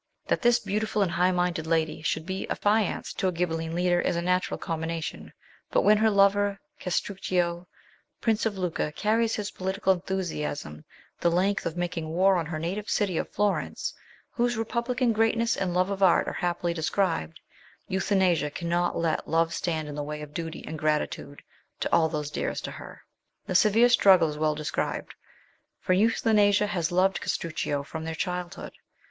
That this beautiful and high minded lady should be affianced to a Ghibelline leader is a natural combination ; but when her lover Castruccio, prince of Lucca, carries his political enthusiasm the length of making war on her native city of Florence, whose Republican greatness and love of art are 152 MRS. SHELLEY. happily described, Euthanasia cannot let love stand in the way of duty and gratitude to all those dearest to her. The severe struggle is well described, for Euthanasia has loved Castruccio from their childhood.